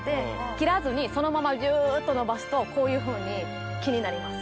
切らずにそのままギュっと伸ばすとこういうふうに木になります。